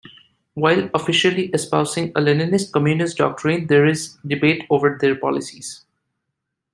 While officially espousing a Leninist communist doctrine, there is debate over their policies.